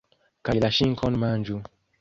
Kaj la ŝinkon manĝu.